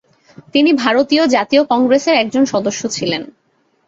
তিনি ভারতীয় জাতীয় কংগ্রেসের একজন সদস্য ছিলেন।